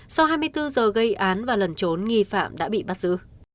sau hai mươi bốn giờ gây án và lẩn trốn nghi phạm đã bị bắt giữ